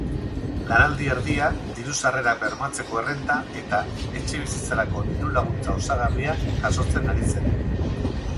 Lanaldi erdia, diru-sarrerak bermatzeko errenta eta etxebizitzarako diru-laguntza osagarria jasotzen ari zen.